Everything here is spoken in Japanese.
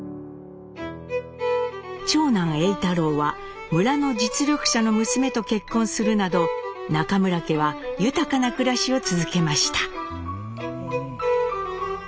長男・栄太郎は村の実力者の娘と結婚するなど中村家は豊かな暮らしを続けました。